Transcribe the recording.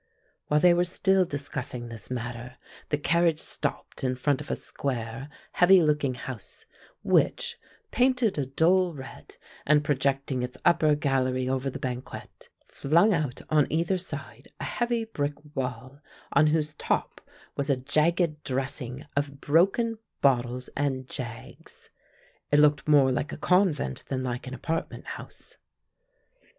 While they were still discussing this matter the carriage stopped in front of a square, heavy looking house, which, painted a dull red and projecting its upper gallery over the banquette, flung out on either side a heavy brick wall on whose top was a jagged dressing of broken bottles and jags. It looked more like a convent than like an apartment house.